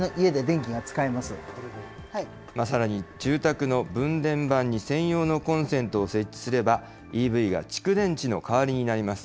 住宅の分電盤に専用のコンセントを設置すれば、ＥＶが蓄電池の代わりになります。